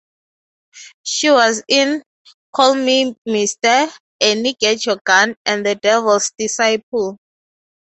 She was in "Call Me Mister," "Annie Get Your Gun", and "The Devil's Disciple.